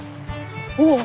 おお！